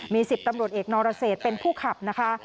มี๑๐ตำรวจเอกนรเศษเป็นผู้ขับนะคะ